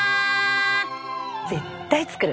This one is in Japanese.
絶対作る。